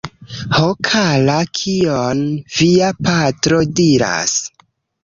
Ho kara, kion via patro diras?